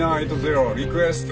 リクエスト。